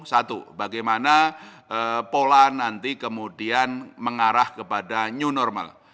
satu bagaimana pola nanti kemudian mengarah kepada new normal